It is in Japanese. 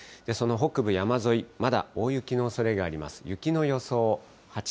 その北部山沿い、まだ大雪のおそれがあります。